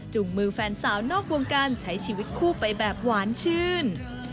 มือแฟนสาวนอกวงการใช้ชีวิตคู่ไปแบบหวานชื่น